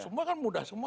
semua kan mudah semua